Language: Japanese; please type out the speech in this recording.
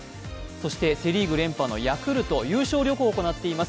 そしてセ・リーグ連覇のヤクルト優勝旅行を行っています。